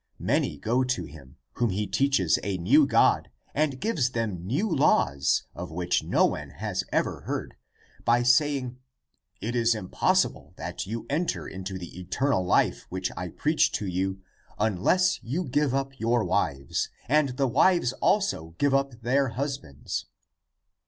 Many go to him, whom he teaches a new God and gives them new laws, of which no one has ever heard, by saying. ' It is impossible that you en ter into the eternal life which I preach to you, unless you give up your wives, and the wives also give up their husbands.